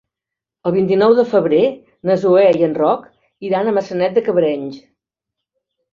El vint-i-nou de febrer na Zoè i en Roc iran a Maçanet de Cabrenys.